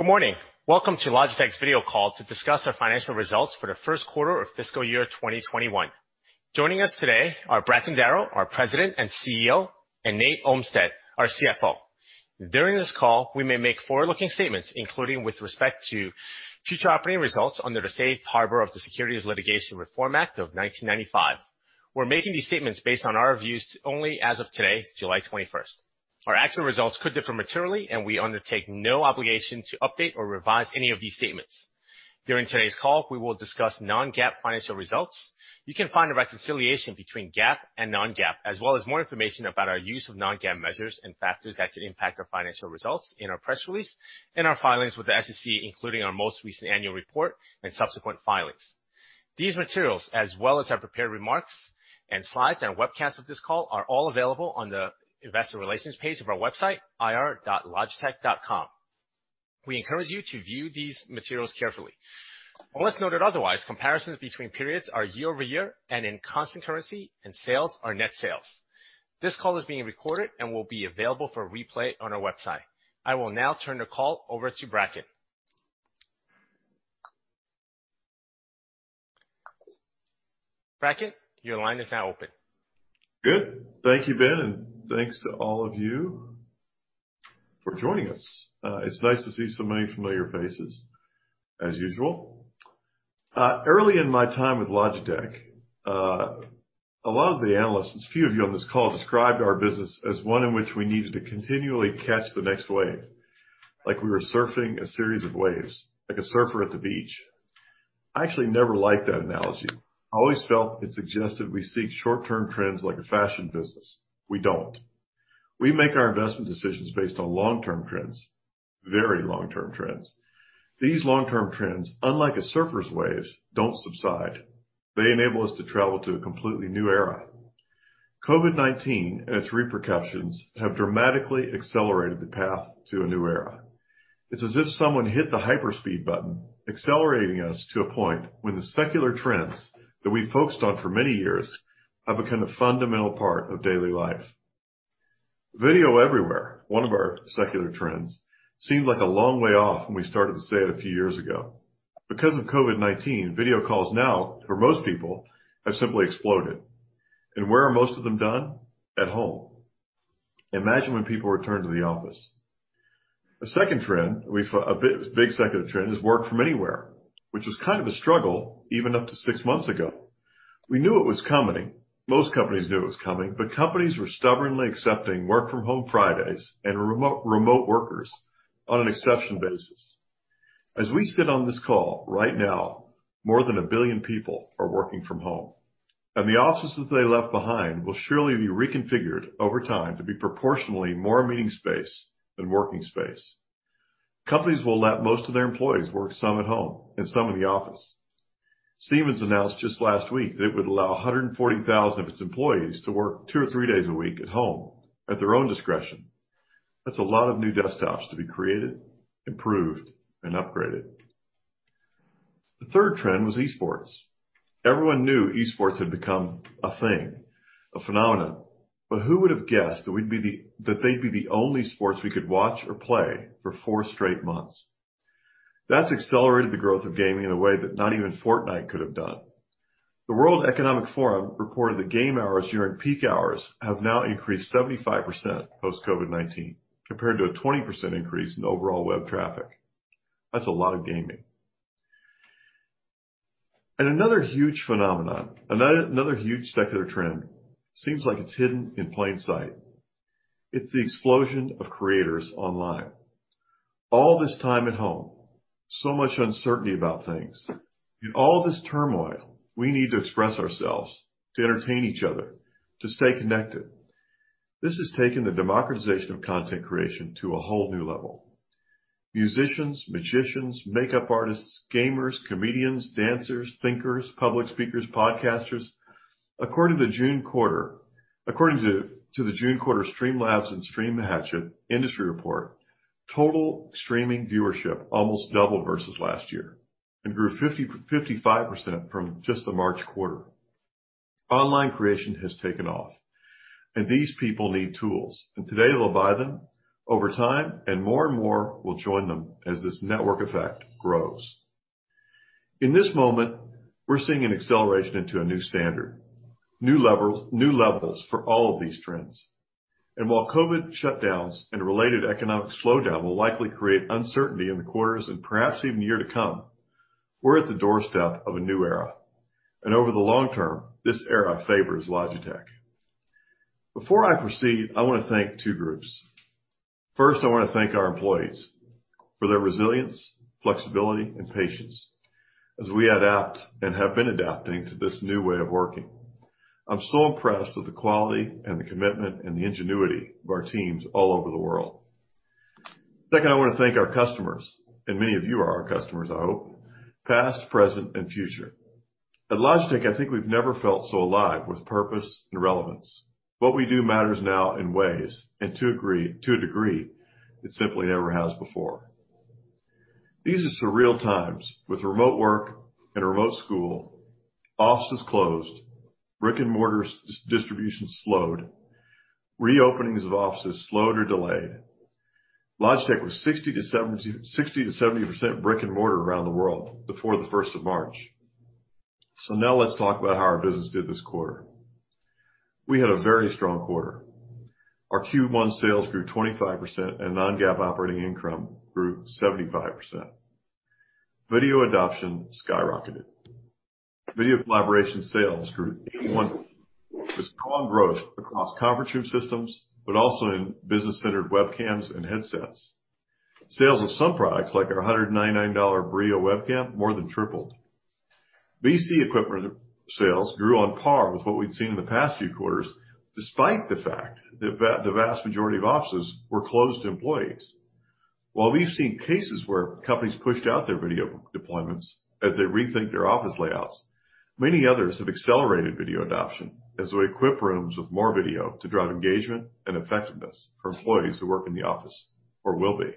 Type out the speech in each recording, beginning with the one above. Good morning. Welcome to Logitech's video call to discuss our financial results for the first quarter of fiscal year 2021. Joining us today are Bracken Darrell, our President and CEO, and Nate Olmstead, our CFO. During this call, we may make forward-looking statements, including with respect to future operating results under the Safe Harbor of the Private Securities Litigation Reform Act of 1995. We're making these statements based on our views only as of today, July 21st. Our actual results could differ materially, and we undertake no obligation to update or revise any of these statements. During today's call, we will discuss non-GAAP financial results. You can find a reconciliation between GAAP and non-GAAP, as well as more information about our use of non-GAAP measures and factors that could impact our financial results in our press release and our filings with the SEC, including our most recent annual report and subsequent filings. These materials, as well as our prepared remarks and slides and webcast of this call, are all available on the investor relations page of our website, ir.logitech.com. We encourage you to view these materials carefully. Unless noted otherwise, comparisons between periods are year-over-year and in constant currency, and sales are net sales. This call is being recorded and will be available for replay on our website. I will now turn the call over to Bracken. Bracken, your line is now open. Good. Thank you, Ben, and thanks to all of you for joining us. It's nice to see so many familiar faces, as usual. Early in my time with Logitech, a lot of the analysts, a few of you on this call, described our business as one in which we needed to continually catch the next wave, like we were surfing a series of waves, like a surfer at the beach. I actually never liked that analogy. I always felt it suggested we seek short-term trends like a fashion business. We don't. We make our investment decisions based on long-term trends, very long-term trends. These long-term trends, unlike a surfer's waves, don't subside. They enable us to travel to a completely new era. COVID-19 and its repercussions have dramatically accelerated the path to a new era. It's as if someone hit the hyper-speed button, accelerating us to a point when the secular trends that we focused on for many years have become a fundamental part of daily life. Video everywhere, one of our secular trends, seemed like a long way off when we started to say it a few years ago. Because of COVID-19, video calls now, for most people, have simply exploded. Where are most of them done? At home. Imagine when people return to the office. A big secular trend is work from anywhere, which was kind of a struggle even up to six months ago. We knew it was coming. Most companies knew it was coming, but companies were stubbornly accepting work-from-home Fridays and remote workers on an exception basis. As we sit on this call right now, more than 1 billion people are working from home. The offices they left behind will surely be reconfigured over time to be proportionally more meeting space than working space. Companies will let most of their employees work some at home and some in the office. Siemens announced just last week that it would allow 140,000 of its employees to work two or three days a week at home at their own discretion. That's a lot of new desktops to be created, improved, and upgraded. The third trend was esports. Everyone knew esports had become a thing, a phenomenon. Who would have guessed that they'd be the only sports we could watch or play for four straight months? That's accelerated the growth of gaming in a way that not even Fortnite could have done. The World Economic Forum reported the game hours during peak hours have now increased 75% post-COVID-19, compared to a 20% increase in overall web traffic. That's a lot of gaming. Another huge phenomenon, another huge secular trend, seems like it's hidden in plain sight. It's the explosion of creators online. All this time at home, so much uncertainty about things. In all this turmoil, we need to express ourselves, to entertain each other, to stay connected. This has taken the democratization of content creation to a whole new level. Musicians, magicians, makeup artists, gamers, comedians, dancers, thinkers, public speakers, podcasters. According to the June quarter Streamlabs and Stream Hatchet industry report, total streaming viewership almost doubled versus last year and grew 55% from just the March quarter. Online creation has taken off, and these people need tools. Today, they'll buy them. Over time, more and more will join them as this network effect grows. In this moment, we're seeing an acceleration into a new standard, new levels for all of these trends. While COVID shutdowns and a related economic slowdown will likely create uncertainty in the quarters and perhaps even year to come, we're at the doorstep of a new era, over the long term, this era favors Logitech. Before I proceed, I want to thank two groups. First, I want to thank our employees for their resilience, flexibility, and patience as we adapt and have been adapting to this new way of working. I'm so impressed with the quality and the commitment and the ingenuity of our teams all over the world. Second, I want to thank our customers, and many of you are our customers, I hope, past, present, and future. At Logitech, I think we've never felt so alive with purpose and relevance. What we do matters now in ways and to a degree it simply never has before. These are surreal times with remote work and remote school, offices closed, brick-and-mortar distribution slowed, reopenings of offices slowed or delayed. Logitech was 60%-70% brick-and-mortar around the world before the 1st of March. Now let's talk about how our business did this quarter. We had a very strong quarter. Our Q1 sales grew 25%, and non-GAAP operating income grew 75%. Video adoption skyrocketed. Video collaboration sales grew 81%, with strong growth across conference room systems, but also in business-centered webcams and headsets. Sales of some products, like our $199 Brio webcam, more than tripled. VC equipment sales grew on par with what we'd seen in the past few quarters, despite the fact that the vast majority of offices were closed to employees. While we've seen cases where companies pushed out their video deployments as they rethink their office layouts, many others have accelerated video adoption as they equip rooms with more video to drive engagement and effectiveness for employees who work in the office or will be.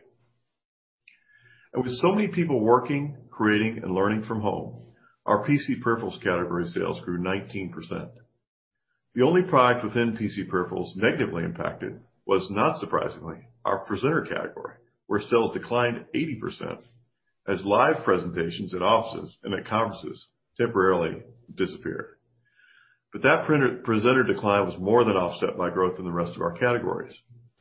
With so many people working, creating, and learning from home, our PC peripherals category sales grew 19%. The only product within PC peripherals negatively impacted was, not surprisingly, our presenter category, where sales declined 80% as live presentations in offices and at conferences temporarily disappeared. That presenter decline was more than offset by growth in the rest of our categories,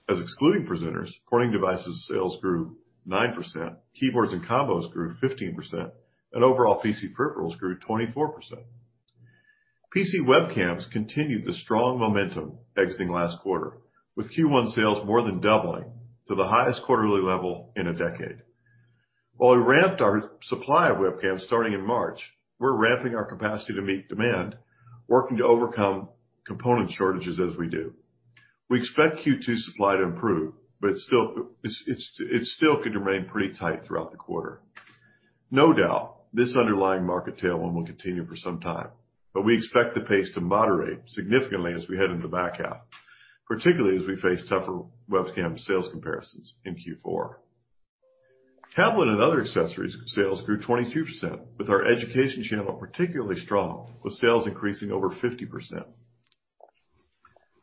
as excluding presenters, pointing devices sales grew 9%, keyboards and combos grew 15%, and overall PC peripherals grew 24%. PC webcams continued the strong momentum exiting last quarter, with Q1 sales more than doubling to the highest quarterly level in a decade. While we ramped our supply of webcams starting in March, we're ramping our capacity to meet demand, working to overcome component shortages as we do. We expect Q2 supply to improve, but it still could remain pretty tight throughout the quarter. No doubt, this underlying market tailwind will continue for some time, but we expect the pace to moderate significantly as we head into the back half, particularly as we face tougher webcam sales comparisons in Q4. Tablet and other accessories sales grew 22%, with our education channel particularly strong, with sales increasing over 50%.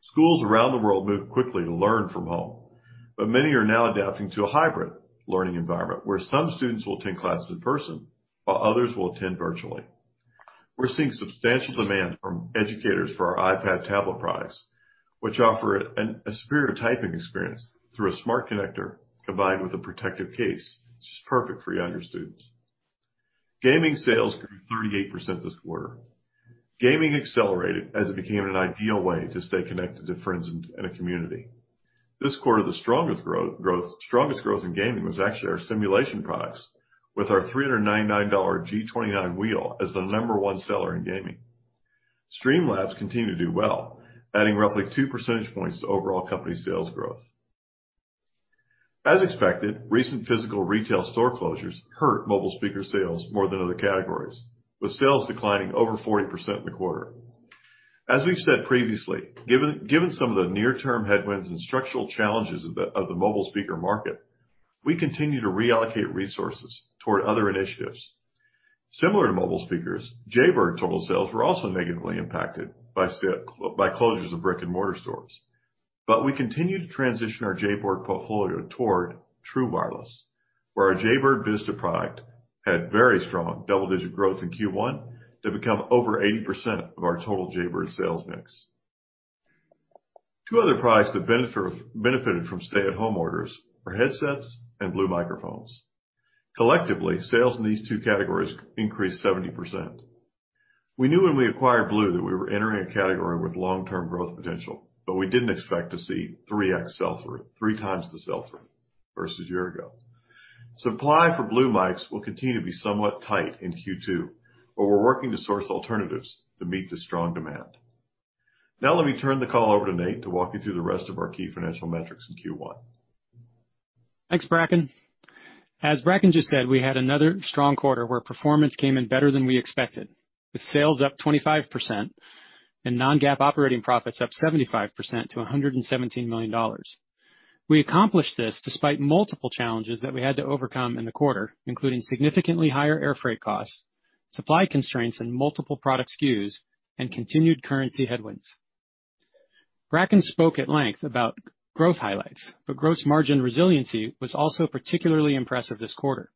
Schools around the world moved quickly to learn from home, but many are now adapting to a hybrid learning environment, where some students will attend classes in person while others will attend virtually. We're seeing substantial demand from educators for our iPad tablet products, which offer a superior typing experience through a Smart Connector combined with a protective case that's just perfect for younger students. Gaming sales grew 38% this quarter. Gaming accelerated as it became an ideal way to stay connected to friends and a community. This quarter, the strongest growth in gaming was actually our simulation products, with our $399 G29 wheel as the number one seller in gaming. Streamlabs continue to do well, adding roughly two percentage points to overall company sales growth. As expected, recent physical retail store closures hurt mobile speaker sales more than other categories, with sales declining over 40% in the quarter. As we've said previously, given some of the near-term headwinds and structural challenges of the mobile speaker market, we continue to reallocate resources toward other initiatives. We continue to transition our Jaybird portfolio toward true wireless, where our Jaybird Vista product had very strong double-digit growth in Q1 to become over 80% of our total Jaybird sales mix. Two other products that benefited from stay-at-home orders are headsets and Blue microphones. Collectively, sales in these two categories increased 70%. We knew when we acquired Blue that we were entering a category with long-term growth potential, but we didn't expect to see 3x sell-through, three times the sell-through versus a year ago. Supply for Blue mics will continue to be somewhat tight in Q2, but we're working to source alternatives to meet the strong demand. Let me turn the call over to Nate to walk you through the rest of our key financial metrics in Q1. Thanks, Bracken. As Bracken just said, we had another strong quarter where performance came in better than we expected, with sales up 25% and non-GAAP operating profits up 75% to $117 million. We accomplished this despite multiple challenges that we had to overcome in the quarter, including significantly higher air freight costs, supply constraints in multiple product SKUs, and continued currency headwinds. Gross margin resiliency was also particularly impressive this quarter.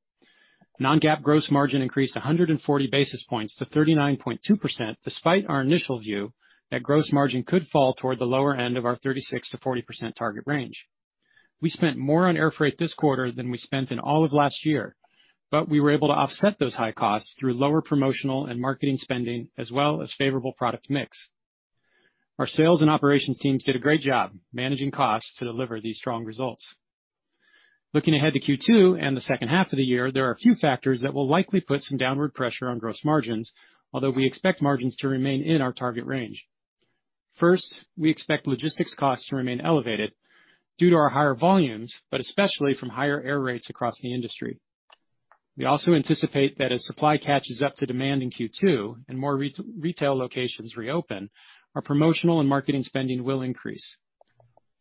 Non-GAAP gross margin increased 140 basis points to 39.2%, despite our initial view that gross margin could fall toward the lower end of our 36%-40% target range. We spent more on air freight this quarter than we spent in all of last year. We were able to offset those high costs through lower promotional and marketing spending, as well as favorable product mix. Our sales and operations teams did a great job managing costs to deliver these strong results. Looking ahead to Q2 and the second half of the year, there are a few factors that will likely put some downward pressure on gross margins, although we expect margins to remain in our target range. We expect logistics costs to remain elevated due to our higher volumes, but especially from higher air rates across the industry. We also anticipate that as supply catches up to demand in Q2 and more retail locations reopen, our promotional and marketing spending will increase.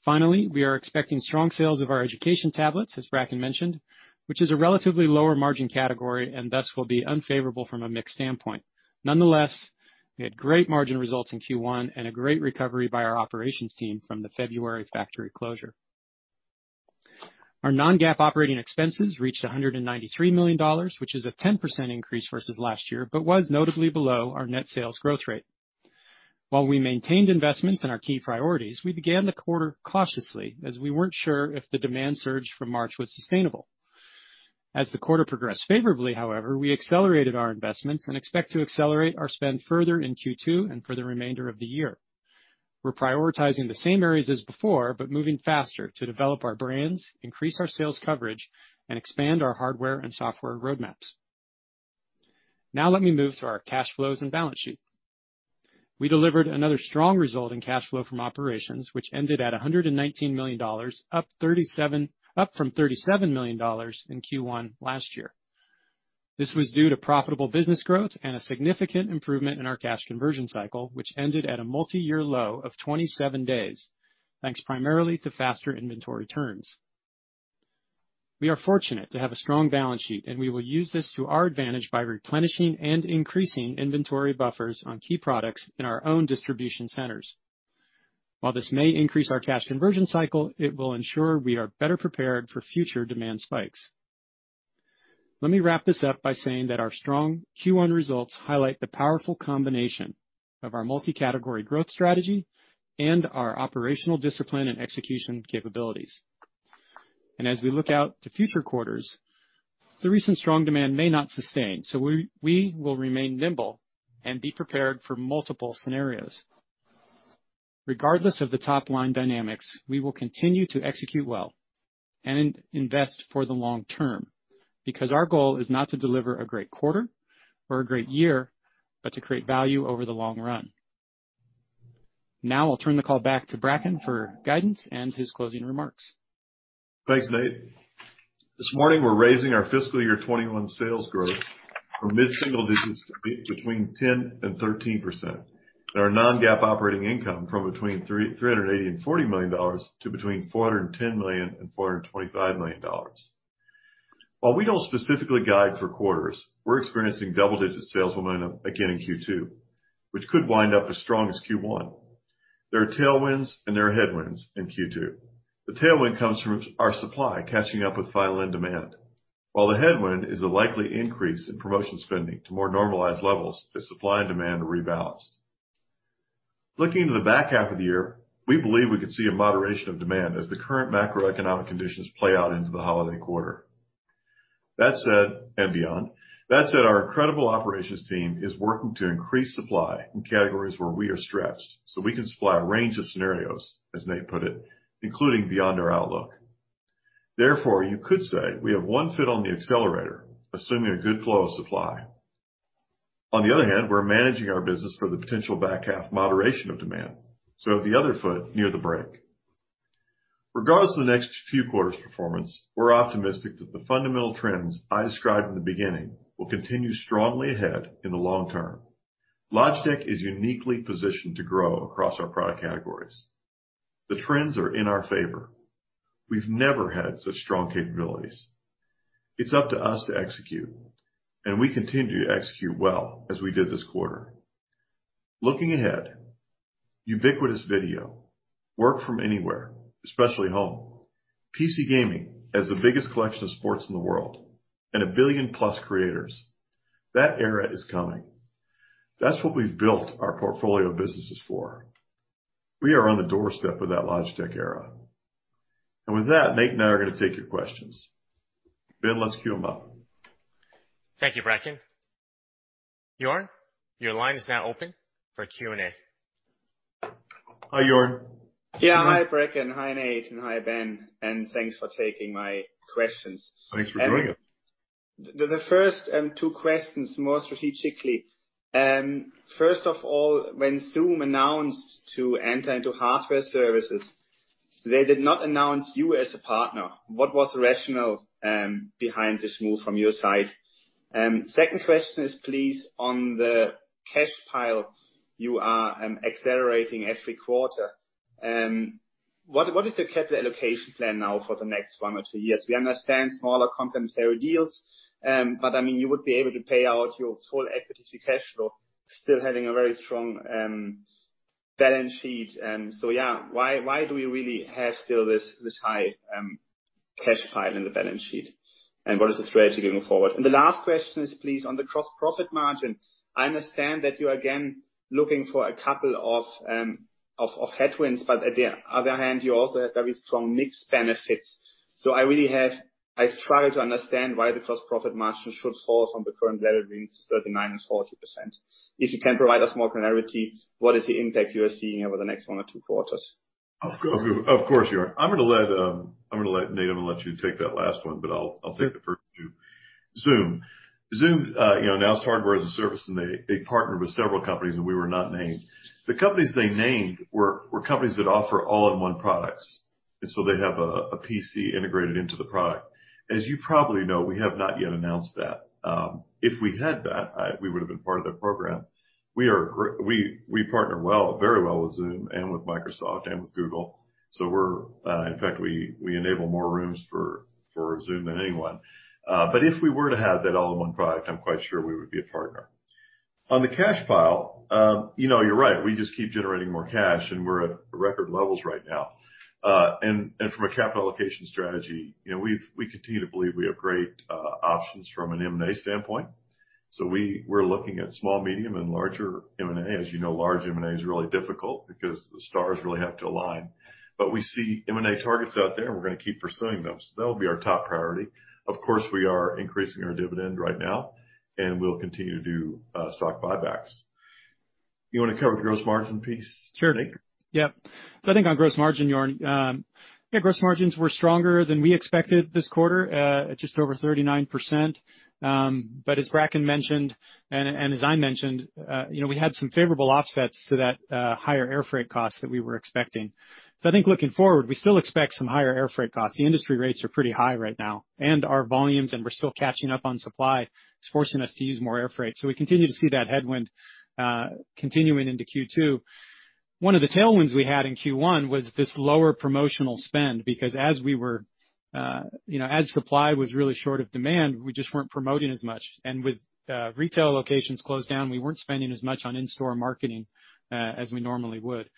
We are expecting strong sales of our education tablets, as Bracken mentioned, which is a relatively lower margin category and thus will be unfavorable from a mix standpoint. We had great margin results in Q1 and a great recovery by our operations team from the February factory closure. Our non-GAAP operating expenses reached $193 million, which is a 10% increase versus last year, but was notably below our net sales growth rate. While we maintained investments in our key priorities, we began the quarter cautiously as we weren't sure if the demand surge from March was sustainable. As the quarter progressed favorably, however, we accelerated our investments and expect to accelerate our spend further in Q2 and for the remainder of the year. We're prioritizing the same areas as before, but moving faster to develop our brands, increase our sales coverage, and expand our hardware and software roadmaps. Let me move to our cash flows and balance sheet. We delivered another strong result in cash flow from operations, which ended at $119 million, up from $37 million in Q1 last year. This was due to profitable business growth and a significant improvement in our cash conversion cycle, which ended at a multi-year low of 27 days, thanks primarily to faster inventory turns. We are fortunate to have a strong balance sheet, and we will use this to our advantage by replenishing and increasing inventory buffers on key products in our own distribution centers. While this may increase our cash conversion cycle, it will ensure we are better prepared for future demand spikes. Let me wrap this up by saying that our strong Q1 results highlight the powerful combination of our multi-category growth strategy and our operational discipline and execution capabilities. As we look out to future quarters, the recent strong demand may not sustain, so we will remain nimble and be prepared for multiple scenarios. Regardless of the top-line dynamics, we will continue to execute well and invest for the long term, because our goal is not to deliver a great quarter or a great year, but to create value over the long run. Now I'll turn the call back to Bracken for guidance and his closing remarks. Thanks, Nate. This morning, we're raising our fiscal year 2021 sales growth from mid-single digits to between 10% and 13%, and our non-GAAP operating income from between $380 and $40 million to between $410 million and $425 million. While we don't specifically guide for quarters, we're experiencing double-digit sales momentum again in Q2, which could wind up as strong as Q1. There are tailwinds and there are headwinds in Q2. The tailwind comes from our supply catching up with final end demand, while the headwind is a likely increase in promotion spending to more normalized levels as supply and demand rebalance. Looking into the back half of the year, we believe we could see a moderation of demand as the current macroeconomic conditions play out into the holiday quarter and beyond. That said, our incredible operations team is working to increase supply in categories where we are stretched so we can supply a range of scenarios, as Nate put it, including beyond our outlook. Therefore, you could say we have one foot on the accelerator, assuming a good flow of supply. On the other hand, we're managing our business for the potential back half moderation of demand, so we have the other foot near the brake. Regardless of the next few quarters' performance, we're optimistic that the fundamental trends I described in the beginning will continue strongly ahead in the long term. Logitech is uniquely positioned to grow across our product categories. The trends are in our favor. We've never had such strong capabilities. It's up to us to execute, and we continue to execute well as we did this quarter. Looking ahead, ubiquitous video, work from anywhere, especially home, PC gaming as the biggest collection of sports in the world, and a billion plus creators. That era is coming. That's what we've built our portfolio of businesses for. We are on the doorstep of that Logitech era. With that, Nate and I are going to take your questions. Ben, let's queue them up. Thank you, Bracken. Joern, your line is now open for Q&A. Hi, Joern. Yeah. Hi, Bracken. Hi, Nate, and hi, Ben, and thanks for taking my questions. Thanks for joining. The first two questions, more strategically. First of all, when Zoom announced to enter into hardware services, they did not announce you as a partner. What was the rationale behind this move from your side? Second question is, please, on the cash pile you are accelerating every quarter. What is the capital allocation plan now for the next one or two years? We understand smaller complementary deals, you would be able to pay out your full equity cash flow, still having a very strong balance sheet. Yeah, why do we really have still this high cash pile in the balance sheet, and what is the strategy going forward? The last question is, please, on the gross profit margin. I understand that you are, again, looking for a couple of headwinds, but on the other hand, you also have very strong mix benefits. I struggle to understand why the gross profit margin should fall from the current level between 39% and 40%. If you can provide us more clarity, what is the impact you are seeing over the next one or two quarters? Of course, Joern. I'm going to let Nate have a shot and take that last one, but I'll take the first two. Zoom. Zoom announced hardware as a service, and they partnered with several companies, and we were not named. The companies they named were companies that offer all-in-one products. They have a PC integrated into the product. As you probably know, we have not yet announced that. If we had that, we would've been part of their program. We partner well, very well with Zoom and with Microsoft and with Google. In fact, we enable more rooms for Zoom than anyone. If we were to have that all-in-one product, I'm quite sure we would be a partner. On the cash pile, you're right. We just keep generating more cash, and we're at record levels right now. From a capital allocation strategy, we continue to believe we have great options from an M&A standpoint. We're looking at small, medium, and larger M&A. As you know, large M&A is really difficult because the stars really have to align. We see M&A targets out there, and we're going to keep pursuing them. That'll be our top priority. Of course, we are increasing our dividend right now, and we'll continue to do stock buybacks. You want to cover the gross margin piece. Sure Nate? Yep. I think on gross margin, Joern, yeah, gross margins were stronger than we expected this quarter, at just over 39%. As Bracken mentioned, and as I mentioned, we had some favorable offsets to that higher air freight cost that we were expecting. I think looking forward, we still expect some higher air freight costs. The industry rates are pretty high right now, and our volumes, and we're still catching up on supply. It's forcing us to use more air freight. We continue to see that headwind continuing into Q2. One of the tailwinds we had in Q1 was this lower promotional spend, because as supply was really short of demand, we just weren't promoting as much. With retail locations closed down, we weren't spending as much on in-store marketing as we normally would.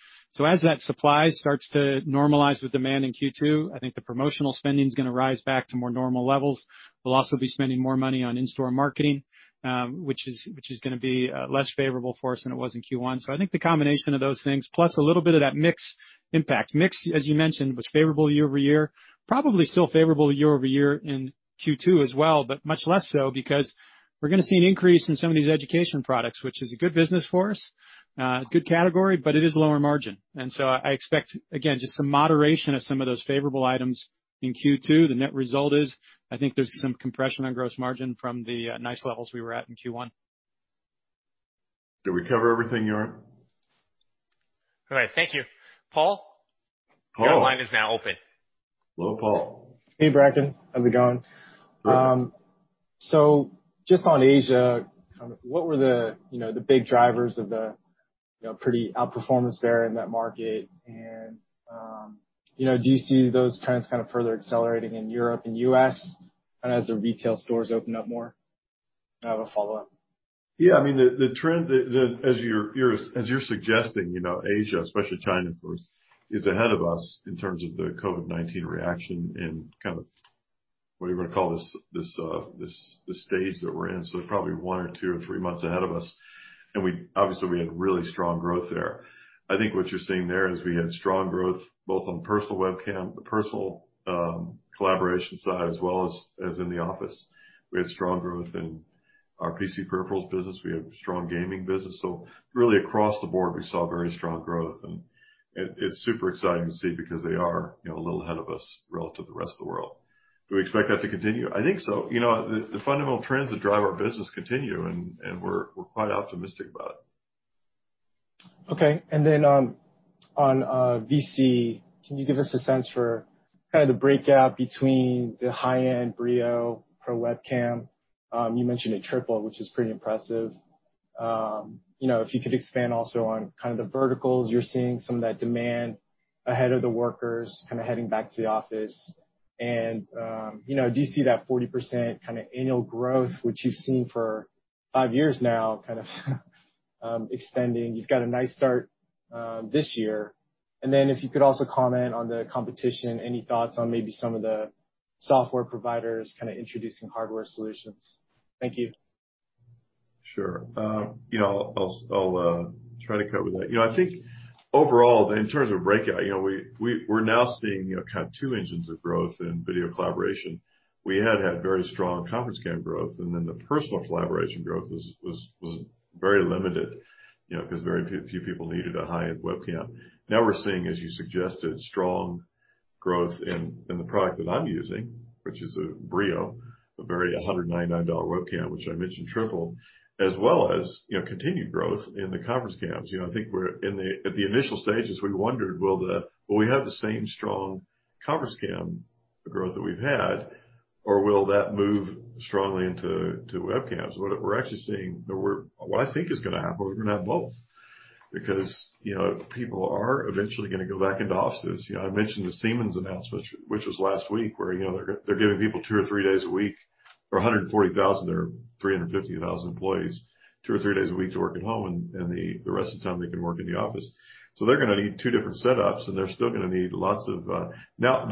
As that supply starts to normalize with demand in Q2, I think the promotional spending's going to rise back to more normal levels. We'll also be spending more money on in-store marketing, which is going to be less favorable for us than it was in Q1. I think the combination of those things, plus a little bit of that mix impact. Mix, as you mentioned, was favorable year-over-year. Probably still favorable year-over-year in Q2 as well, but much less so because we're going to see an increase in some of these education products, which is a good business for us, good category, but it is lower margin. I expect, again, just some moderation of some of those favorable items in Q2. The net result is, I think there's some compression on gross margin from the nice levels we were at in Q1. Did we cover everything, Joern? All right. Thank you. Paul? Paul. Your line is now open. Hello, Paul. Hey, Bracken. How's it going? Good. Just on Asia, what were the big drivers of the pretty outperformance there in that market? Do you see those trends kind of further accelerating in Europe and U.S. as the retail stores open up more? I have a follow-up. Yeah, the trend, as you're suggesting, Asia, especially China, of course, is ahead of us in terms of the COVID-19 reaction and kind of whatever you want to call this stage that we're in, so probably one or two or three months ahead of us. Obviously, we had really strong growth there. I think what you're seeing there is we had strong growth both on personal webcam, the personal collaboration side, as well as in the office. We had strong growth in our PC peripherals business. We have strong gaming business. Really across the board, we saw very strong growth. It's super exciting to see because they are a little ahead of us relative to the rest of the world. Do we expect that to continue? I think so. The fundamental trends that drive our business continue, and we're quite optimistic about it. Okay. On VC, can you give us a sense for kind of the breakout between the high-end Brio Pro webcam? You mentioned a triple, which is pretty impressive. If you could expand also on kind of the verticals, you're seeing some of that demand ahead of the workers kind of heading back to the office. Do you see that 40% kind of annual growth, which you've seen for five years now, kind of extending? You've got a nice start this year. If you could also comment on the competition, any thoughts on maybe some of the software providers kind of introducing hardware solutions? Thank you. Sure. I'll try to cover that. I think overall, in terms of breakout, we're now seeing kind of two engines of growth in video collaboration. We had had very strong conference cam growth, and then the personal collaboration growth was very limited, because very few people needed a high-end webcam. Now we're seeing, as you suggested, strong growth in the product that I'm using, which is a Brio, a very $199 webcam, which I mentioned tripled, as well as continued growth in the conference cams. I think at the initial stages, we wondered, will we have the same strong conference cam growth that we've had, or will that move strongly into webcams? What I think is going to happen, we're going to have both because people are eventually going to go back into offices. I mentioned the Siemens announcement, which was last week, where they're giving people two or three days a week, or 140,000, their 350,000 employees, two or three days a week to work at home, and the rest of the time they can work in the office. They're going to need two different setups, and they're still going to need. By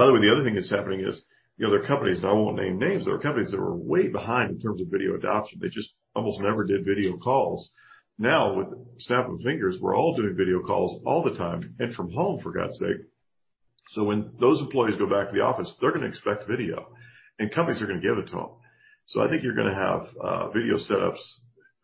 the way, the other thing that's happening is, there are companies, and I won't name names. There are companies that were way behind in terms of video adoption. They just almost never did video calls. Now, with the snap of fingers, we're all doing video calls all the time, and from home, for God's sake. When those employees go back to the office, they're going to expect video, and companies are going to give it to them. I think you're going to have video setups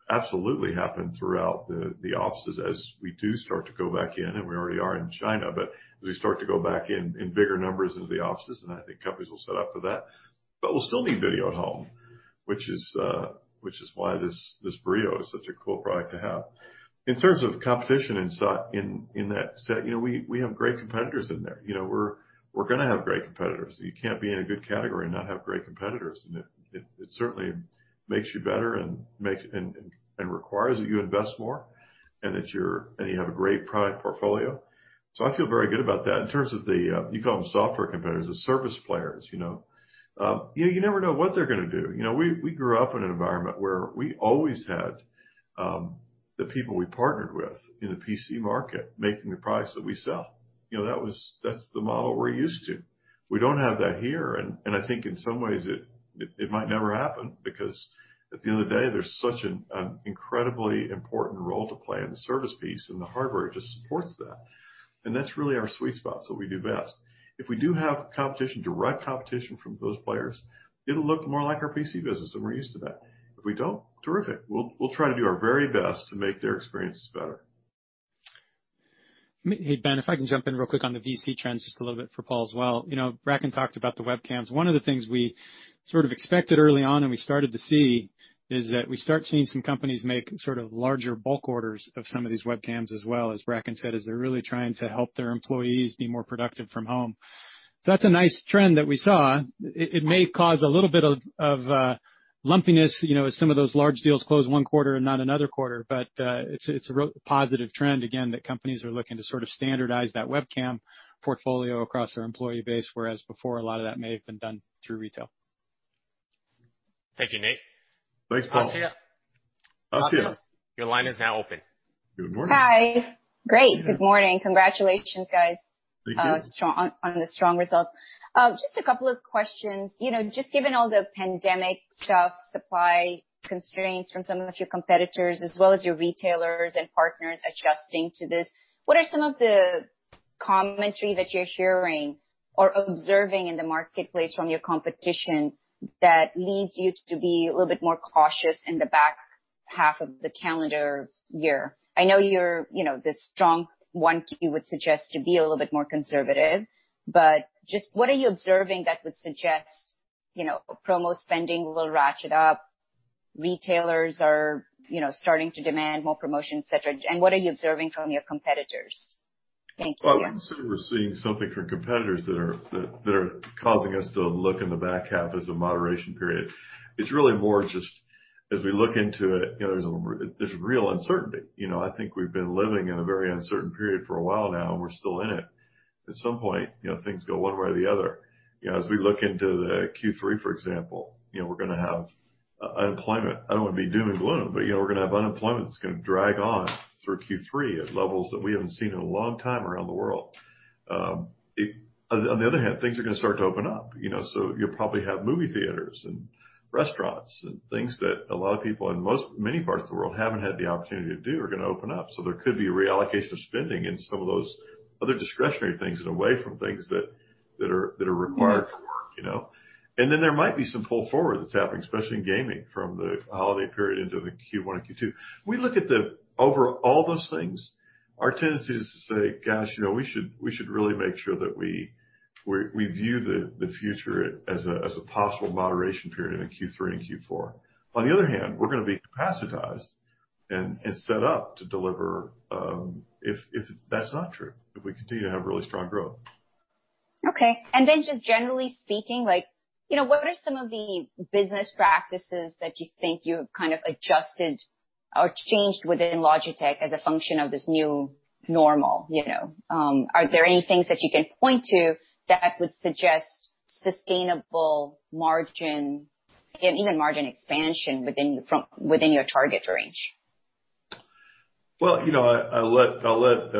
absolutely happen throughout the offices as we do start to go back in, and we already are in China. As we start to go back in bigger numbers into the offices, and I think companies will set up for that. We'll still need video at home, which is why this Brio is such a cool product to have. In terms of competition in that set, we have great competitors in there. We're going to have great competitors. You can't be in a good category and not have great competitors. It certainly makes you better and requires that you invest more, and that you have a great product portfolio. I feel very good about that. In terms of the, you call them software competitors, the service players, you never know what they're going to do. We grew up in an environment where we always had the people we partnered with in the PC market making the products that we sell. That's the model we're used to. We don't have that here. I think in some ways it might never happen, because at the end of the day, there's such an incredibly important role to play in the service piece, and the hardware just supports that. That's really our sweet spot, it's what we do best. If we do have competition, direct competition from those players, it'll look more like our PC business, and we're used to that. If we don't, terrific. We'll try to do our very best to make their experiences better. Hey, Ben, if I can jump in real quick on the VC trends just a little bit for Paul as well. Bracken talked about the webcams. One of the things we sort of expected early on and we started to see, is that we start seeing some companies make larger bulk orders of some of these webcams as well, as Bracken said, as they're really trying to help their employees be more productive from home. That's a nice trend that we saw. It may cause a little bit of lumpiness, as some of those large deals close one quarter and not another quarter. It's a positive trend, again, that companies are looking to sort of standardize that webcam portfolio across their employee base, whereas before, a lot of that may have been done through retail. Thank you, Nate. Thanks, Paul. Asiya? Asiya. Your line is now open. Good morning. Hi. Great. Good morning. Congratulations, guys. Thank you. on the strong results. Just a couple of questions. Just given all the pandemic stuff, supply constraints from some of your competitors, as well as your retailers and partners adjusting to this, what are some of the commentary that you're hearing or observing in the marketplace from your competition that leads you to be a little bit more cautious in the back half of the calendar year? I know you're the strong one you would suggest to be a little bit more conservative, but just what are you observing that would suggest promo spending will ratchet up, retailers are starting to demand more promotions, et cetera, and what are you observing from your competitors? Thank you. Well, I wouldn't say we're seeing something from competitors that are causing us to look in the back half as a moderation period. It's really more just as we look into it, there's real uncertainty. I think we've been living in a very uncertain period for a while now, and we're still in it. At some point, things go one way or the other. As we look into the Q3, for example, we're going to have unemployment. I don't want to be doom and gloom, but we're going to have unemployment that's going to drag on through Q3 at levels that we haven't seen in a long time around the world. On the other hand, things are going to start to open up. You'll probably have movie theaters and restaurants and things that a lot of people in many parts of the world haven't had the opportunity to do are going to open up. There could be a reallocation of spending in some of those other discretionary things and away from things that are required for work. There might be some pull forward that's happening, especially in gaming from the holiday period into the Q1 and Q2. We look at all those things, our tendency is to say, gosh, we should really make sure that we view the future as a possible moderation period into Q3 and Q4. On the other hand, we're going to be capacitized and set up to deliver if that's not true, if we continue to have really strong growth. Okay. Just generally speaking, what are some of the business practices that you think you have kind of adjusted or changed within Logitech as a function of this new normal? Are there any things that you can point to that would suggest sustainable margin, even margin expansion within your target range? Well, I'll let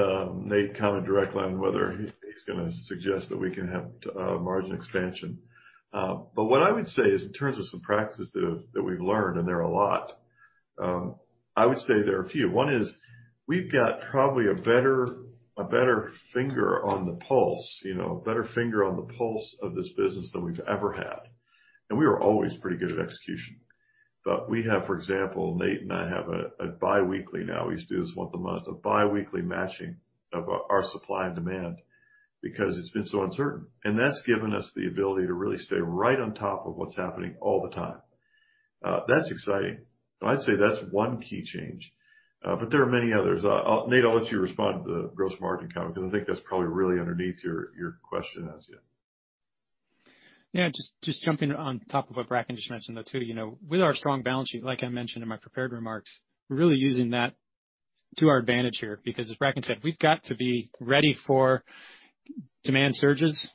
Nate comment directly on whether he's going to suggest that we can have margin expansion. What I would say is in terms of some practices that we've learned, and there are a lot, I would say there are a few. One is we've got probably a better finger on the pulse of this business than we've ever had. We were always pretty good at execution. We have, for example, Nate and I have a biweekly now. We used to do this once a month, a biweekly matching of our supply and demand because it's been so uncertain. That's given us the ability to really stay right on top of what's happening all the time. That's exciting. I'd say that's one key change. There are many others. Nate, I'll let you respond to the gross margin comment, because I think that's probably really underneath your question, Asiya. Just jumping on top of what Bracken just mentioned there, too. With our strong balance sheet, like I mentioned in my prepared remarks, we're really using that to our advantage here, because as Bracken said, we've got to be ready for demand surges,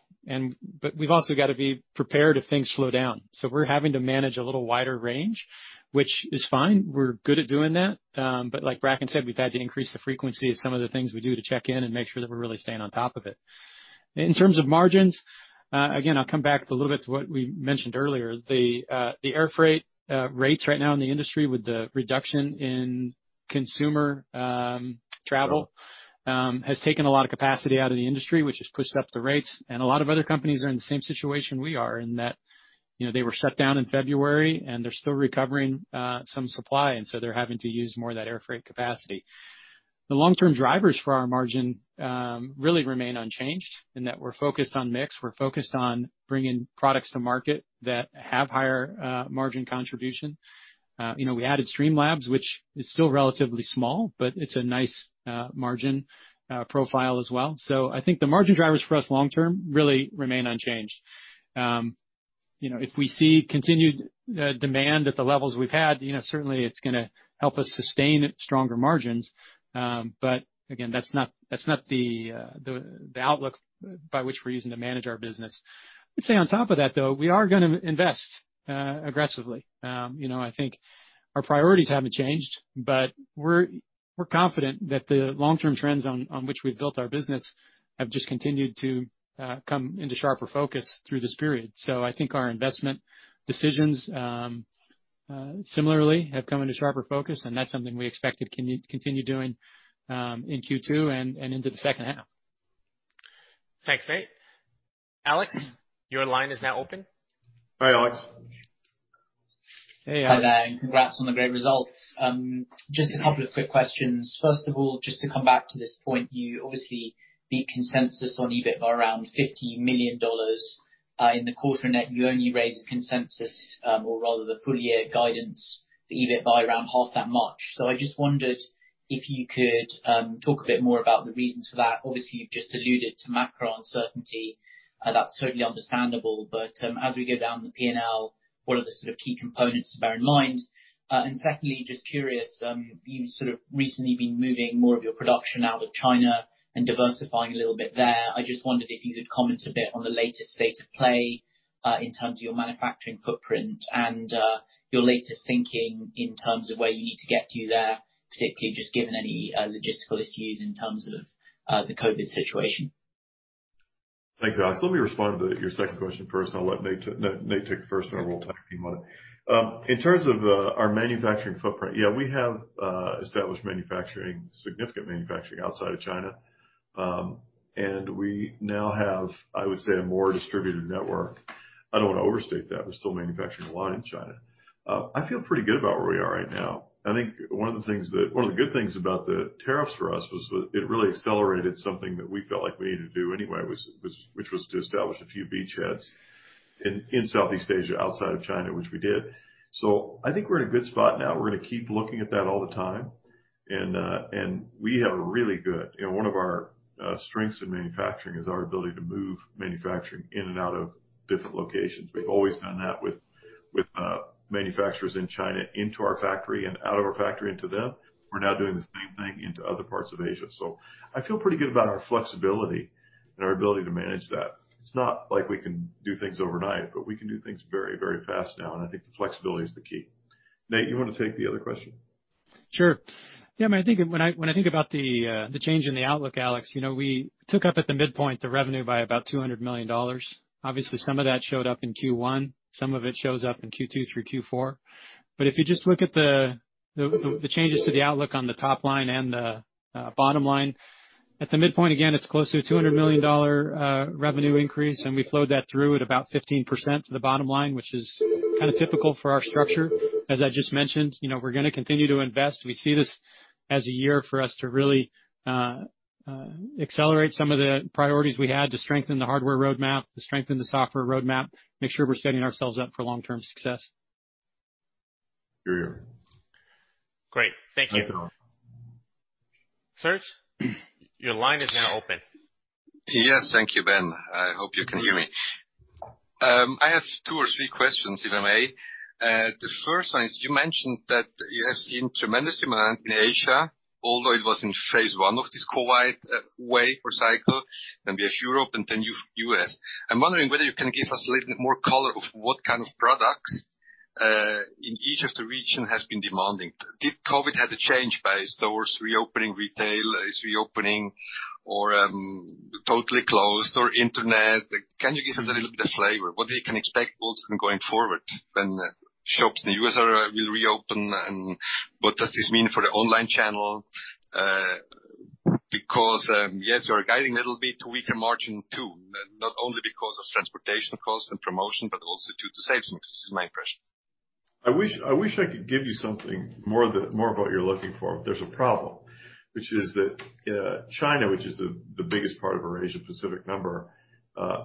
but we've also got to be prepared if things slow down. We're having to manage a little wider range. Which is fine, we're good at doing that. Like Bracken said, we've had to increase the frequency of some of the things we do to check in and make sure that we're really staying on top of it. In terms of margins, again, I'll come back a little bit to what we mentioned earlier. The air freight rates right now in the industry with the reduction in consumer travel has taken a lot of capacity out of the industry, which has pushed up the rates. A lot of other companies are in the same situation we are in that they were shut down in February, and they're still recovering some supply, and so they're having to use more of that air freight capacity. The long-term drivers for our margin really remain unchanged in that we're focused on mix, we're focused on bringing products to market that have higher margin contribution. We added Streamlabs, which is still relatively small, but it's a nice margin profile as well. I think the margin drivers for us long term really remain unchanged. If we see continued demand at the levels we've had, certainly it's going to help us sustain stronger margins. Again, that's not the outlook by which we're using to manage our business. I would say on top of that, though, we are going to invest aggressively. I think our priorities haven't changed, but we're confident that the long-term trends on which we've built our business have just continued to come into sharper focus through this period. I think our investment decisions, similarly, have come into sharper focus, and that's something we expect to continue doing in Q2 and into the second half. Thanks, Nate. Alex, your line is now open. Hi, Alex. Hey, Alex. Hi there, congrats on the great results. Just a couple of quick questions. First of all, just to come back to this point, you obviously beat consensus on EBIT by around $50 million in the quarter. Net, you only raised consensus, or rather the full year guidance, the EBIT by around half that much. I just wondered if you could talk a bit more about the reasons for that. Obviously, you've just alluded to macro uncertainty, that's totally understandable, but as we go down the P&L, what are the sort of key components to bear in mind? Secondly, just curious, you've sort of recently been moving more of your production out of China and diversifying a little bit there. I just wondered if you could comment a bit on the latest state of play, in terms of your manufacturing footprint and your latest thinking in terms of where you need to get to there, particularly just given any logistical issues in terms of the COVID situation. Thanks, Alex. Let me respond to your second question first. I'll let Nate take the first. I'll roll back to you on it. In terms of our manufacturing footprint, yeah, we have established significant manufacturing outside of China. We now have, I would say, a more distributed network. I don't want to overstate that. We're still manufacturing a lot in China. I feel pretty good about where we are right now. I think one of the good things about the tariffs for us was it really accelerated something that we felt like we needed to do anyway, which was to establish a few beachheads in Southeast Asia, outside of China, which we did. I think we're in a good spot now. We're going to keep looking at that all the time. One of our strengths in manufacturing is our ability to move manufacturing in and out of different locations. We've always done that with manufacturers in China, into our factory and out of our factory into them. We're now doing the same thing into other parts of Asia. I feel pretty good about our flexibility and our ability to manage that. It's not like we can do things overnight, but we can do things very fast now, and I think the flexibility is the key. Nate, you want to take the other question? Sure. Yeah, man, when I think about the change in the outlook, Alex, we took up at the midpoint the revenue by about $200 million. Obviously, some of that showed up in Q1, some of it shows up in Q2 through Q4. If you just look at the changes to the outlook on the top line and the bottom line, at the midpoint, again, it's close to a $200 million revenue increase, and we flowed that through at about 15% to the bottom line, which is kind of typical for our structure. As I just mentioned, we're going to continue to invest. We see this as a year for us to really accelerate some of the priorities we had to strengthen the hardware roadmap, to strengthen the software roadmap, make sure we're setting ourselves up for long-term success. Hear hear. Great. Thank you. Thanks, Alex. Serge, your line is now open. Yes. Thank you, Ben. I hope you can hear me. I have two or three questions, if I may. The first one is, you mentioned that you have seen tremendous demand in Asia, although it was in phase one of this COVID wave or cycle, then we have Europe, and then U.S. I'm wondering whether you can give us a little bit more color of what kind of products, in each of the region has been demanding. Did COVID have a change by stores reopening, retail is reopening or totally closed or internet? Can you give us a little bit of flavor, what we can expect also going forward when shops in the U.S. will reopen, and what does this mean for the online channel? Yes, you are guiding a little bit weaker margin too, not only because of transportation costs and promotion, but also due to savings, this is my impression. I wish I could give you something more of what you're looking for. There's a problem, which is that China, which is the biggest part of our Asia Pacific number,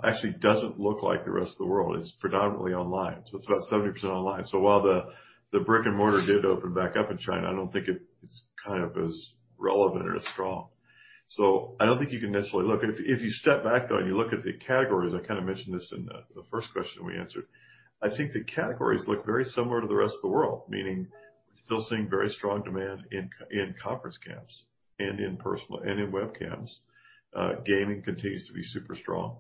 actually doesn't look like the rest of the world. It's predominantly online. It's about 70% online. While the brick and mortar did open back up in China, I don't think it's kind of as relevant or as strong. I don't think you can necessarily look. If you step back, though, and you look at the categories, I kind of mentioned this in the first question we answered. I think the categories look very similar to the rest of the world, meaning we're still seeing very strong demand in conference cams and in webcams. Gaming continues to be super strong.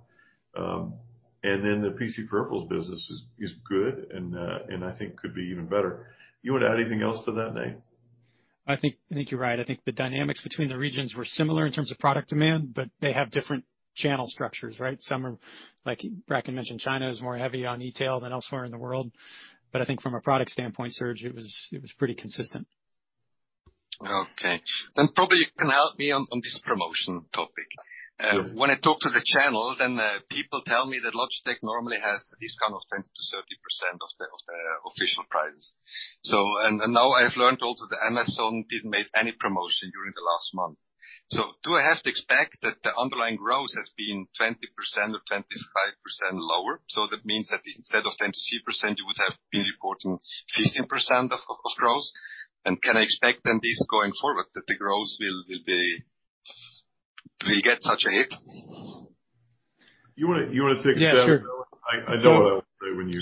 The PC peripherals business is good and I think could be even better. You want to add anything else to that, Nate? I think you're right. I think the dynamics between the regions were similar in terms of product demand, but they have different channel structures, right? Some are, like Bracken mentioned, China is more heavy on e-tail than elsewhere in the world. I think from a product standpoint, Serge, it was pretty consistent. Okay. Probably you can help me on this promotion topic. When I talk to the channel, then people tell me that Logitech normally has a discount of 10%-30% of the official prices. Now I have learned also that Amazon didn't make any promotion during the last month. Do I have to expect that the underlying growth has been 20% or 25% lower? That means that instead of 10%-3%, you would have been reporting 15% of growth. Can I expect then this going forward, that the growth will get such a hit? You want to take a stab at that one? Yeah, sure. I know what I want to say when you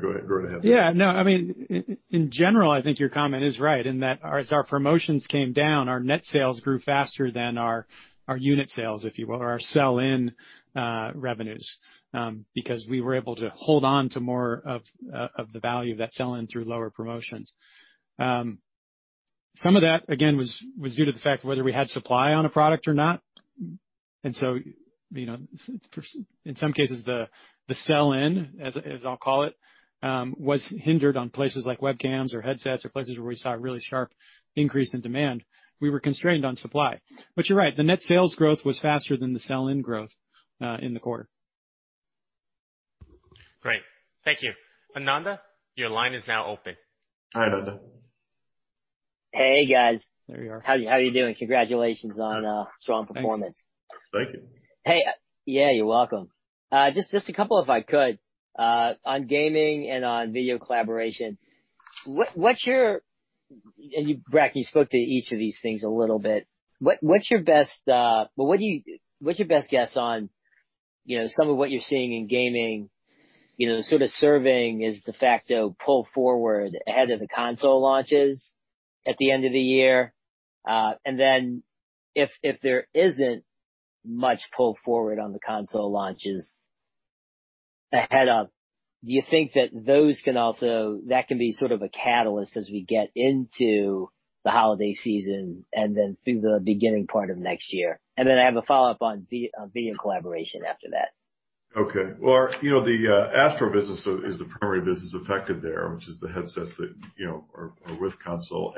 go ahead. Yeah, no, in general, I think your comment is right, in that as our promotions came down, our net sales grew faster than our unit sales, if you will, or our sell-in revenues. We were able to hold on to more of the value of that sell-in through lower promotions. Some of that, again, was due to the fact of whether we had supply on a product or not. In some cases, the sell-in, as I'll call it, was hindered on places like webcams or headsets or places where we saw a really sharp increase in demand. We were constrained on supply. You're right. The net sales growth was faster than the sell-in growth in the quarter. Great. Thank you. Ananda, your line is now open. Hi, Ananda. Hey, guys. There we are. How are you doing? Congratulations on a strong performance. Thanks. Thank you. Hey. Yeah, you're welcome. Just a couple, if I could, on gaming and on video collaboration. You, Brack, you spoke to each of these things a little bit. What's your best guess on some of what you're seeing in gaming, sort of serving as de facto pull forward ahead of the console launches at the end of the year? If there isn't much pull forward on the console launches ahead of, do you think that that can be sort of a catalyst as we get into the holiday season and then through the beginning part of next year? I have a follow-up on video collaboration after that. Okay. Well, the Astro business is the primary business affected there, which is the headsets that are with console.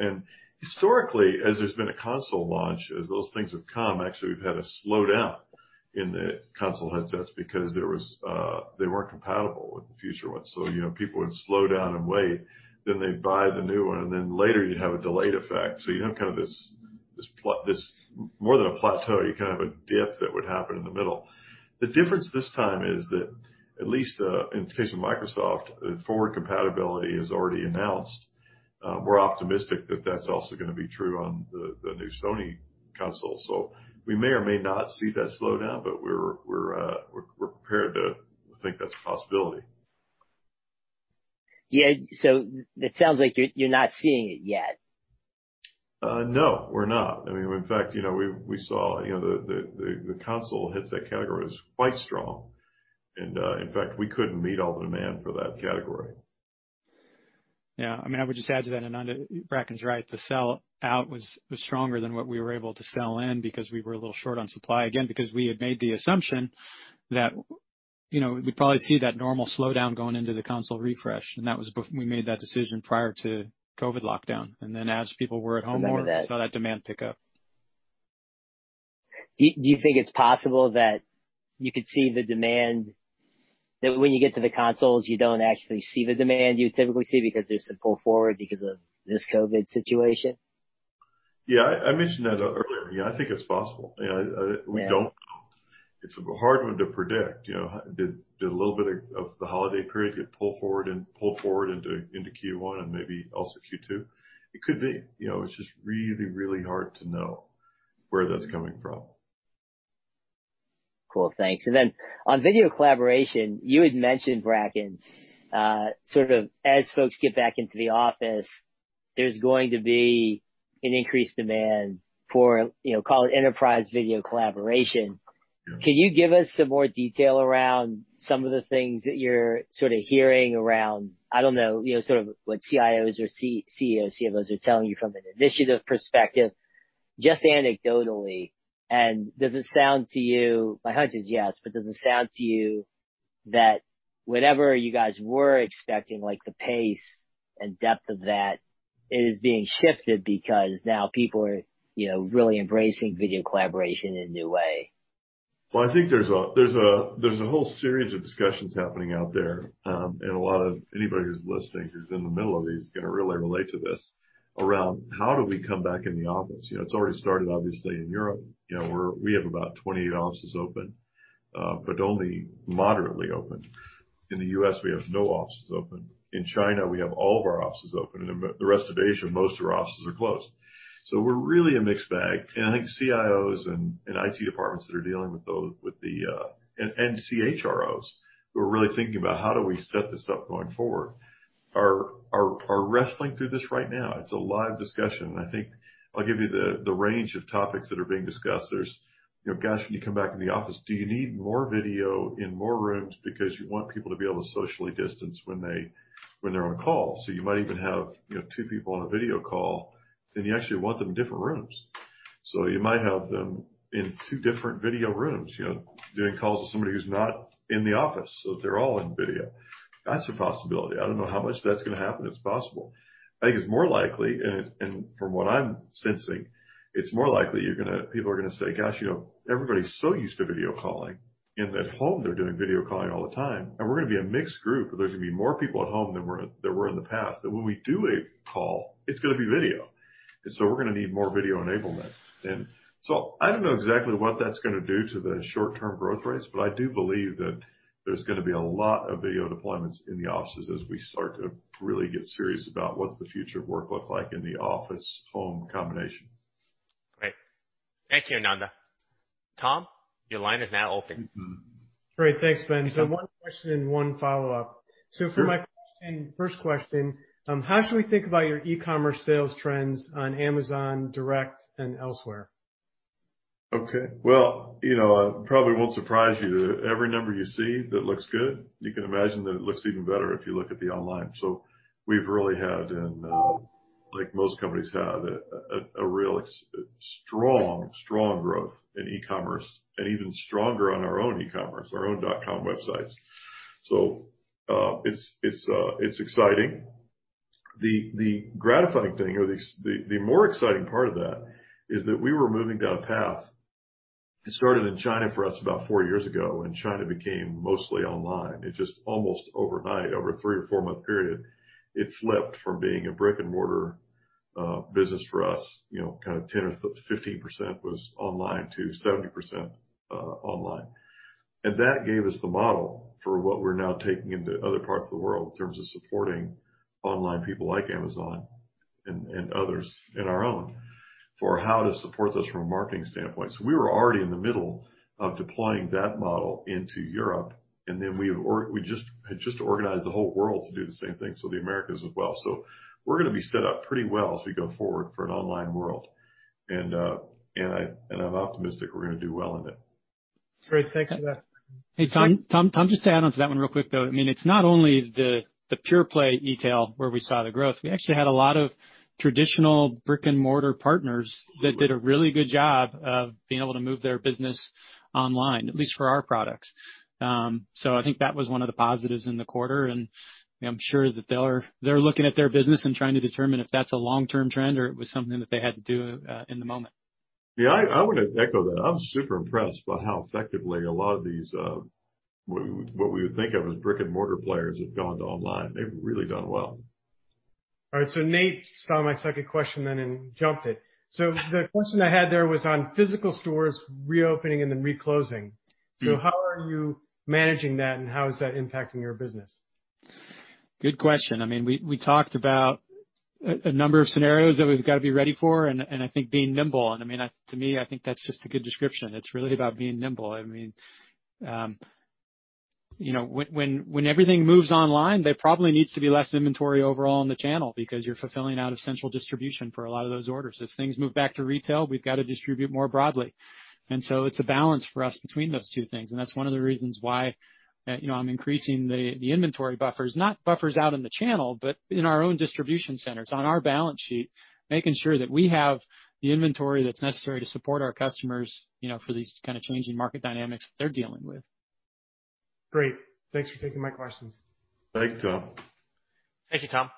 Historically, as there's been a console launch, as those things have come, actually, we've had a slowdown in the console headsets because they weren't compatible with the future ones. People would slow down and wait, then they'd buy the new one, later you'd have a delayed effect. You'd have kind of this more than a plateau, you kind of have a dip that would happen in the middle. The difference this time is that at least in the case of Microsoft, forward compatibility is already announced. We're optimistic that that's also going to be true on the new Sony console. We may or may not see that slowdown, we're prepared to think that's a possibility. Yeah. It sounds like you're not seeing it yet. No, we're not. In fact, we saw the console headset category was quite strong. In fact, we couldn't meet all the demand for that category. Yeah. I would just add to that, Ananda, Bracken's right. The sell out was stronger than what we were able to sell in because we were a little short on supply, again, because we had made the assumption that we'd probably see that normal slowdown going into the console refresh. We made that decision prior to COVID lockdown. As people were at home more. I remember that. we saw that demand pick up. Do you think it's possible that you could see the demand, that when you get to the consoles, you don't actually see the demand you would typically see because there's some pull forward because of this COVID situation? Yeah. I mentioned that earlier. Yeah, I think it's possible. Yeah. We don't know. It's a hard one to predict. Did a little bit of the holiday period get pulled forward into Q1 and maybe also Q2? It could be. It's just really, really hard to know where that's coming from. Cool. Thanks. On video collaboration, you had mentioned, Bracken, sort of as folks get back into the office, there's going to be an increased demand for, call it enterprise video collaboration. Yeah. Can you give us some more detail around some of the things that you're sort of hearing around, I don't know, sort of what CIOs or CEOs, CFOs are telling you from an initiative perspective, just anecdotally. Does it sound to you, my hunch is yes, but does it sound to you that whatever you guys were expecting, like the pace and depth of that, is being shifted because now people are really embracing video collaboration in a new way? Well, I think there's a whole series of discussions happening out there. Anybody who's listening who's in the middle of these going to really relate to this, around how do we come back in the office? It's already started, obviously, in Europe, where we have about 28 offices open, but only moderately open. In the U.S., we have no offices open. In China, we have all of our offices open, and the rest of Asia, most of our offices are closed. We're really a mixed bag. I think CIOs and IT departments that are dealing with and CHROs, who are really thinking about how do we set this up going forward, are wrestling through this right now. It's a live discussion, and I think I'll give you the range of topics that are being discussed. There's, gosh, when you come back in the office, do you need more video in more rooms because you want people to be able to socially distance when they're on a call? You might even have two people on a video call, you actually want them in different rooms. You might have them in two different video rooms doing calls with somebody who's not in the office, they're all in video. That's a possibility. I don't know how much that's going to happen. It's possible. I think it's more likely, and from what I'm sensing, it's more likely people are going to say, gosh, everybody's so used to video calling, and at home, they're doing video calling all the time, and we're going to be a mixed group. There's going to be more people at home than were in the past, that when we do a call, it's going to be video. We're going to need more video enablement. I don't know exactly what that's going to do to the short-term growth rates, but I do believe that there's going to be a lot of video deployments in the offices as we start to really get serious about what's the future of work look like in the office-home combination. Great. Thank you, Ananda. Tom, your line is now open. Great. Thanks, Ben. One question and one follow-up. Sure. For my first question, how should we think about your e-commerce sales trends on Amazon direct and elsewhere? Okay. Well, it probably won't surprise you that every number you see that looks good, you can imagine that it looks even better if you look at the online. We've really had, like most companies have, a real strong growth in e-commerce, and even stronger on our own e-commerce, our own .com websites. It's exciting. The gratifying thing or the more exciting part of that is that we were moving down a path. It started in China for us about four years ago, when China became mostly online. It just almost overnight, over a three or four-month period, it flipped from being a brick and mortar business for us, kind of 10% or 15% was online, to 70% online. That gave us the model for what we're now taking into other parts of the world in terms of supporting online people like Amazon and others, and our own, for how to support this from a marketing standpoint. We were already in the middle of deploying that model into Europe, and then we had just organized the whole world to do the same thing, so the Americas as well. We're going to be set up pretty well as we go forward for an online world. I'm optimistic we're going to do well in it. Great. Thanks for that. Hey, Tom, just to add on to that one real quick, though. It's not only the pure play e-tail where we saw the growth. We actually had a lot of traditional brick and mortar partners that did a really good job of being able to move their business online, at least for our products. I think that was one of the positives in the quarter, and I'm sure that they're looking at their business and trying to determine if that's a long-term trend or it was something that they had to do in the moment. I want to echo that. I'm super impressed by how effectively a lot of these, what we would think of as brick and mortar players, have gone to online. They've really done well. All right. Nate stole my second question then and jumped it. The question I had there was on physical stores reopening and then re-closing. Sure. How are you managing that, and how is that impacting your business? Good question. We talked about a number of scenarios that we've got to be ready for, and I think being nimble. To me, I think that's just a good description. It's really about being nimble. When everything moves online, there probably needs to be less inventory overall in the channel because you're fulfilling out of central distribution for a lot of those orders. As things move back to retail, we've got to distribute more broadly. It's a balance for us between those two things, and that's one of the reasons why I'm increasing the inventory buffers. Not buffers out in the channel, but in our own distribution centers, on our balance sheet, making sure that we have the inventory that's necessary to support our customers for these kind of changing market dynamics that they're dealing with. Great. Thanks for taking my questions. Thank you, Tom. Thank you, Tom.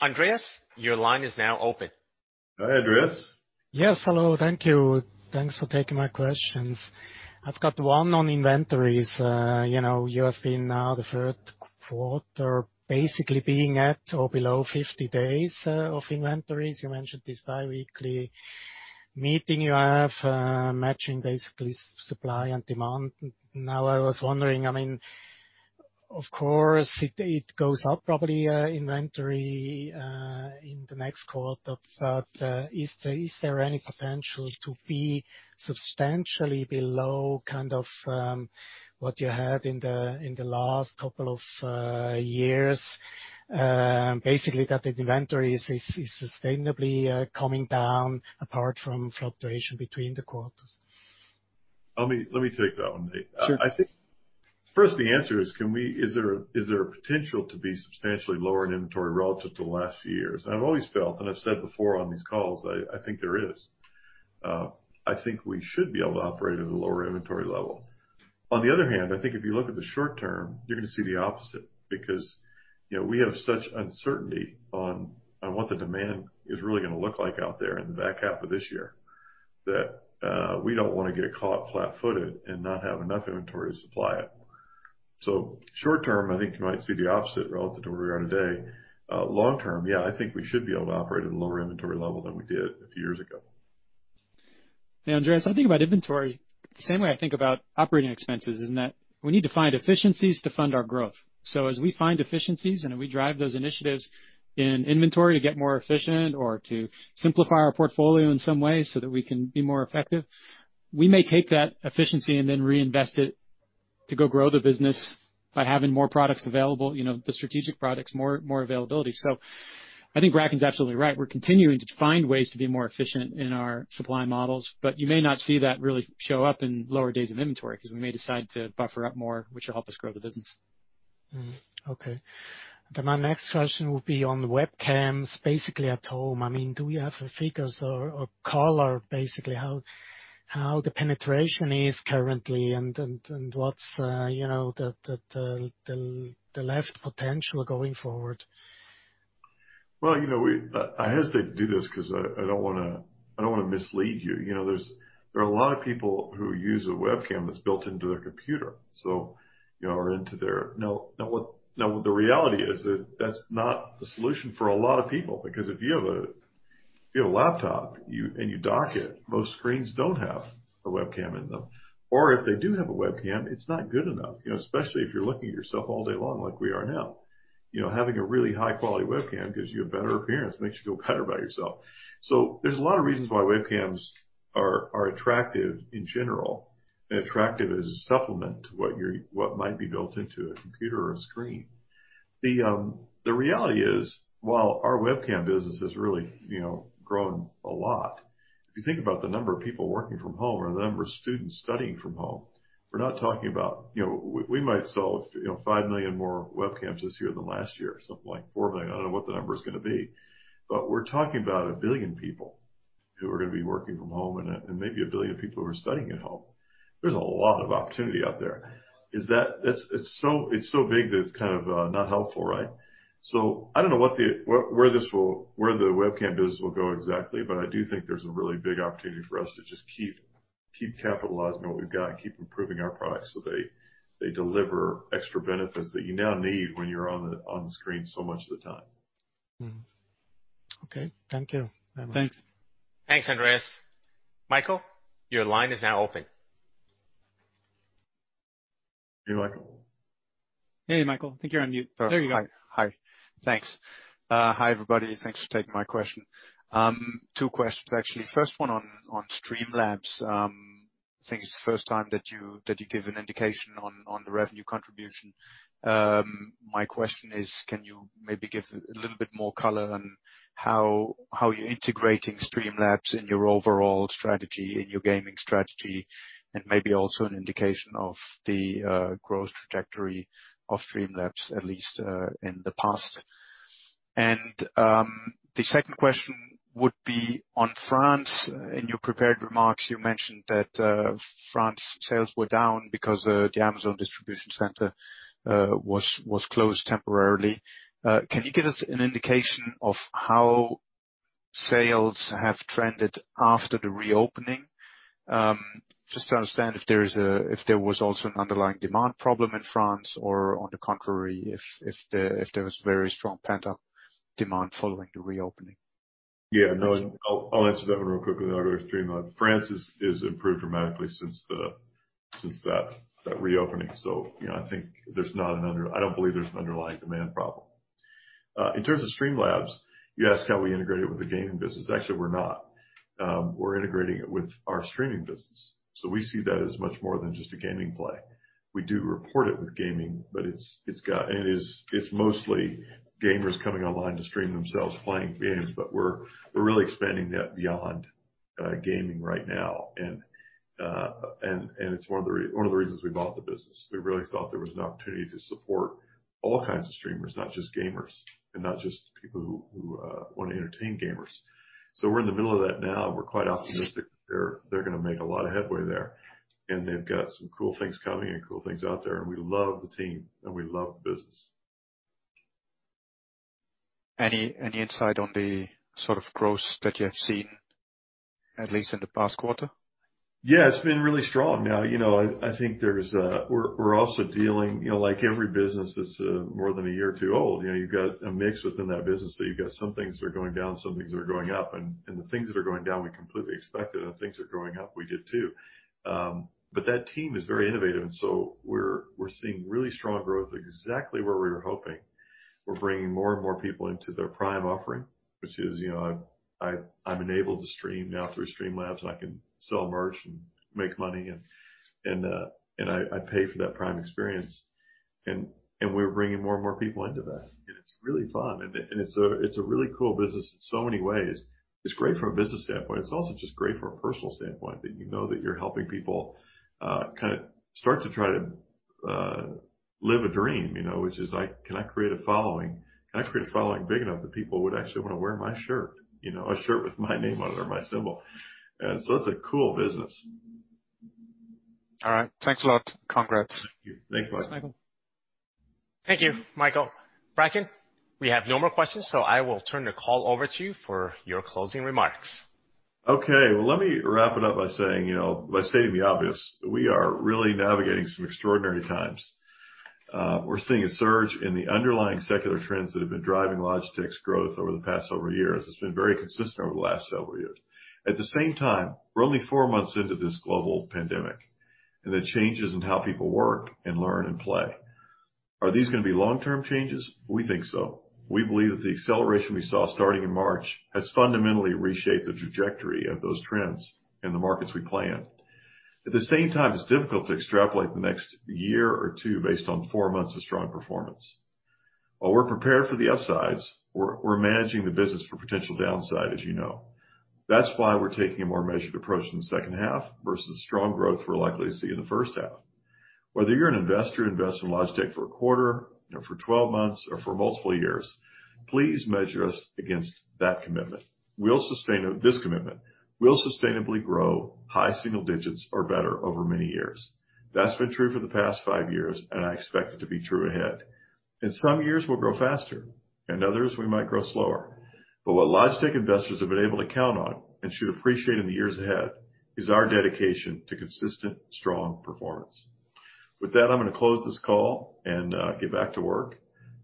Andreas, your line is now open. Hi, Andreas. Yes, hello. Thank you. Thanks for taking my questions. I've got one on inventories. You have been now the third quarter, basically being at or below 50 days of inventories. You mentioned this biweekly meeting you have, matching basically supply and demand. Now, I was wondering, of course, it goes up probably, inventory, in the next quarter, but is there any potential to be substantially below what you had in the last couple of years? Basically, that the inventory is sustainably coming down apart from fluctuation between the quarters. Let me take that one, Nate. Sure. I think first the answer is there a potential to be substantially lower in inventory relative to the last few years? I've always felt, and I've said before on these calls, I think there is. I think we should be able to operate at a lower inventory level. On the other hand, I think if you look at the short term, you're going to see the opposite because we have such uncertainty on what the demand is really going to look like out there in the back half of this year, that we don't want to get caught flat-footed and not have enough inventory to supply it. Short term, I think you might see the opposite relative to where we are today. Long term, yeah, I think we should be able to operate at a lower inventory level than we did a few years ago. Hey, Andreas, I think about inventory the same way I think about operating expenses, in that we need to find efficiencies to fund our growth. As we find efficiencies and we drive those initiatives in inventory to get more efficient or to simplify our portfolio in some way so that we can be more effective, we may take that efficiency and then reinvest it to go grow the business by having more products available, the strategic products, more availability. I think Bracken's absolutely right. We're continuing to find ways to be more efficient in our supply models, but you may not see that really show up in lower days of inventory because we may decide to buffer up more, which will help us grow the business. Okay. My next question will be on the webcams basically at home. Do we have figures or color, basically how the penetration is currently and what's the left potential going forward? Well, I hesitate to do this because I don't want to mislead you. There are a lot of people who use a webcam that's built into their computer. The reality is that that's not the solution for a lot of people, because if you have a laptop and you dock it. Most screens don't have a webcam in them. If they do have a webcam, it's not good enough, especially if you're looking at yourself all day long like we are now. Having a really high-quality webcam gives you a better appearance, makes you feel better about yourself. There's a lot of reasons why webcams are attractive in general, and attractive as a supplement to what might be built into a computer or a screen. The reality is, while our webcam business has really grown a lot, if you think about the number of people working from home or the number of students studying from home, we're not talking about-- we might sell 5 million more webcams this year than last year, something like 4 million. I don't know what the number's going to be. We're talking about a billion people who are going to be working from home and maybe a billion people who are studying at home. There's a lot of opportunity out there. It's so big that it's kind of not helpful. I don't know where the webcam business will go exactly, but I do think there's a really big opportunity for us to just keep capitalizing on what we've got and keep improving our products so they deliver extra benefits that you now need when you're on the screen so much of the time. Mm-hmm. Okay. Thank you very much. Thanks. Thanks, Andreas. Michael, your line is now open. Hey, Michael. Hey, Michael. I think you're on mute. There you go. Hi. Thanks. Hi, everybody. Thanks for taking my question. Two questions, actually. First one on Streamlabs. I think it's the first time that you gave an indication on the revenue contribution. My question is can you maybe give a little bit more color on how you're integrating Streamlabs in your overall strategy, in your gaming strategy, and maybe also an indication of the growth trajectory of Streamlabs, at least in the past? The second question would be on France. In your prepared remarks, you mentioned that France sales were down because the Amazon distribution center was closed temporarily. Can you give us an indication of how sales have trended after the reopening? Just to understand if there was also an underlying demand problem in France or, on the contrary, if there was very strong pent-up demand following the reopening. No, I'll answer that one real quickly, then I'll go to Streamlabs. France has improved dramatically since that reopening, I don't believe there's an underlying demand problem. In terms of Streamlabs, you asked how we integrate it with the gaming business. Actually, we're not. We're integrating it with our streaming business. We see that as much more than just a gaming play. We do report it with gaming, it's mostly gamers coming online to stream themselves playing games. We're really expanding that beyond gaming right now, and it's one of the reasons we bought the business. We really thought there was an opportunity to support all kinds of streamers, not just gamers and not just people who want to entertain gamers. We're in the middle of that now, and we're quite optimistic that they're going to make a lot of headway there, and they've got some cool things coming and cool things out there, and we love the team and we love the business. Any insight on the sort of growth that you have seen, at least in the past quarter? Yeah, it's been really strong. I think we're also dealing, like every business that's more than a year or two old, you've got a mix within that business. You've got some things that are going down, some things that are going up, and the things that are going down, we completely expected, and the things that are going up, we did too. That team is very innovative, and so we're seeing really strong growth, exactly where we were hoping. We're bringing more and more people into their Prime offering, which is, I'm enabled to stream now through Streamlabs, and I can sell merch and make money, and I pay for that Prime experience. We're bringing more and more people into that, and it's really fun, and it's a really cool business in so many ways. It's great from a business standpoint. It's also just great from a personal standpoint, that you know that you're helping people kind of start to try to live a dream, which is, can I create a following big enough that people would actually want to wear my shirt? A shirt with my name on it or my symbol. It's a cool business. All right. Thanks a lot. Congrats. Thank you. Thanks, Michael. Thank you, Michael. Bracken, we have no more questions, so I will turn the call over to you for your closing remarks. Okay. Well, let me wrap it up by stating the obvious. We are really navigating some extraordinary times. We're seeing a surge in the underlying secular trends that have been driving Logitech's growth over the past several years. It's been very consistent over the last several years. At the same time, we're only four months into this global pandemic, and the changes in how people work and learn and play, are these going to be long-term changes? We think so. We believe that the acceleration we saw starting in March has fundamentally reshaped the trajectory of those trends in the markets we play in. At the same time, it's difficult to extrapolate the next year or two based on four months of strong performance. While we're prepared for the upsides, we're managing the business for potential downside, as you know. That's why we're taking a more measured approach in the second half versus the strong growth we're likely to see in the first half. Whether you're an investor who invests in Logitech for a quarter, for 12 months, or for multiple years, please measure us against that commitment. We'll sustain this commitment. We'll sustainably grow high single digits or better over many years. That's been true for the past five years, and I expect it to be true ahead. In some years, we'll grow faster, and others, we might grow slower. What Logitech investors have been able to count on and should appreciate in the years ahead is our dedication to consistent, strong performance. With that, I'm going to close this call and get back to work.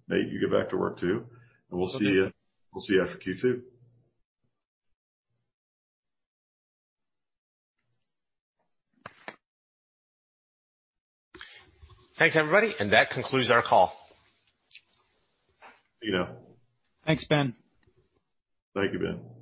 Nate, you get back to work, too. We'll see you after Q2. Thanks, everybody. That concludes our call. See you now. Thanks, Ben. Thank you, Ben.